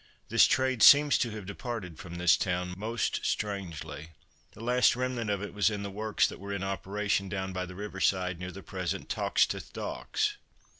This trade seems to have departed from this town most strangely. The last remnant of it was in the works that were in operation down by the river side near the present Toxteth Docks.